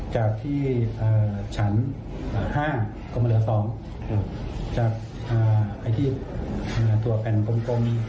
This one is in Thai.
จากที่เอ่อฉันห้าก็มันเหลือสองจากเอ่อไอ้ที่เนี้ยตัวแปลงกลมกลม